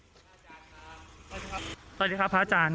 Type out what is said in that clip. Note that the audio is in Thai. จริงหรือดีฟ้าจารย์